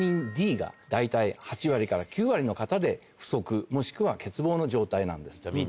大体８割から９割の方で不足もしくは欠乏の状態なんです。